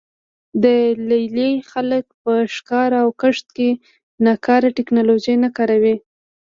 د لې لې خلک په ښکار او کښت کې ناکاره ټکنالوژي نه کاروي